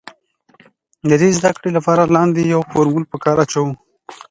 د دې د زده کړې له پاره لاندې يو فورمول په کار اچوو